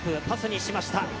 パスにしました。